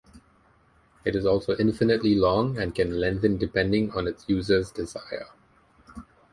It is also infinitely long, and can lengthen depending on its user's desire.